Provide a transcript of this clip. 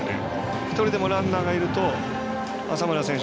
１人でもランナーがいると浅村選手